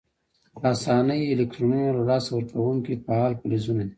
په آساني الکترونونه له لاسه ورکونکي فعال فلزونه دي.